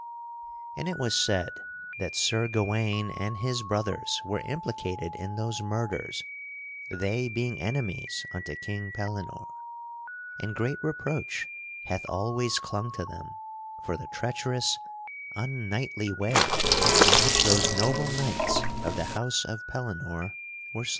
(And it was said that Sir Gawaine and his brothers were implicated in those murders they being enemies unto King Pellinore and great reproach hath always clung to them for the treacherous, unknightly way in which those noble knights of the house of Pellinore were slain.)